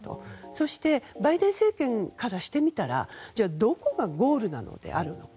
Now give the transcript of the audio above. そしてバイデン政権からしてみたらどこがゴールなのであるのか。